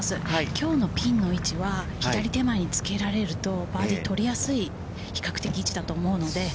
きょうのピンの位置は左手前につけられるとバーディーが取りやすい、比較的位置だと思うので。